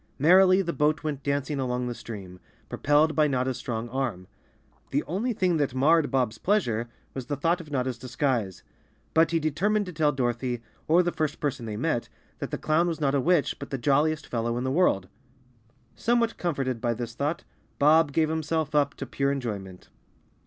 Merrily the boat went dancing down the stream, propelled by Not ta's strong arm. The only thing that marred Bob's pleasure was the thought of Notta's disguise. But he determined to tell Dorothy, or the first person they met, that the clown was not a witch, but the j oiliest fellow in the world. Somewhat comforted by this thought, Bob gave himself up to pure enjoyment.